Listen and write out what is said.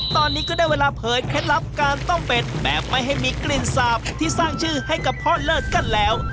ตอนนี้ก็ได้เวลาเผยเคล็ดลับการต้มเป็ดแบบไม่ให้มีกลิ่นสาบที่สร้างชื่อให้กับพ่อเลิศกันแล้ว